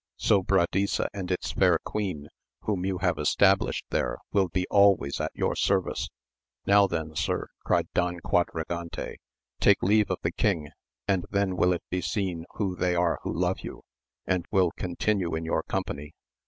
Sobradisa and its fair queen, whom you have established there, will be always at your service. Now then, sir, cried Don Quadragante, take leave of the king, and then will it be seen who they are who love you, and will continue in your company.